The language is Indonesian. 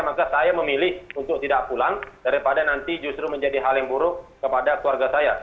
maka saya memilih untuk tidak pulang daripada nanti justru menjadi hal yang buruk kepada keluarga saya